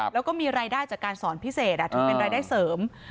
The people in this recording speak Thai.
แล้วก็มีรายได้จากการสอนพิเศษถือเป็นรายได้เสริม